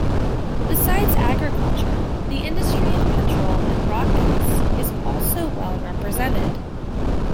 Besides agriculture, the industry of petrol and rock-gas is also well represented.